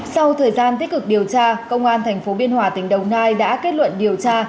sau thời gian tích cực điều tra công an tp biên hòa tỉnh đồng nai đã kết luận điều tra